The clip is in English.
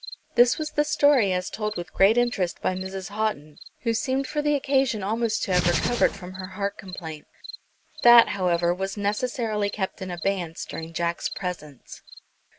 This was the story as told with great interest by Mrs. Houghton, who seemed for the occasion almost to have recovered from her heart complaint. That, however, was necessarily kept in abeyance during Jack's presence.